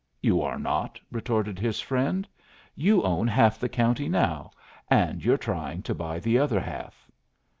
"You are not!" retorted his friend, "you own half the county now, and you're trying to buy the other half."